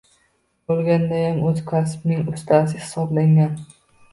Bo‘lgandayam o‘z kasbining ustasi hisoblangan